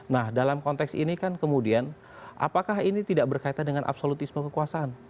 nah dalam konteks ini kan kemudian apakah ini tidak berkaitan dengan absolutisme kekuasaan